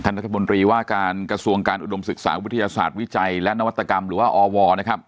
รัฐมนตรีว่าการกระทรวงการอุดมศึกษาวิทยาศาสตร์วิจัยและนวัตกรรมหรือว่าอวนะครับ